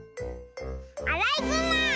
アライグマ！